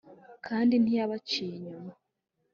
kandi ntiyabaciye inyuma.